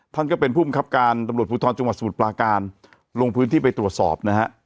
ท่านก็เป็นผู้บังคับการตำรวจภูทรจังหวัดสมุทรปลาการลงพื้นที่ไปตรวจสอบนะฮะ